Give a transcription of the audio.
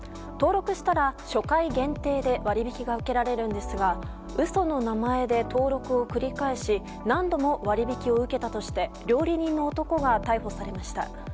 登録したら初回限定で割引が受けられるんですが嘘の名前で登録を繰り返し何度も割引を受けたとして料理人の男が逮捕されました。